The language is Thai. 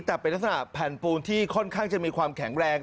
แต่เป็นลักษณะแผ่นปูนที่ค่อนข้างจะมีความแข็งแรง